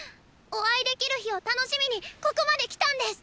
お会いできる日を楽しみにここまで来たんです！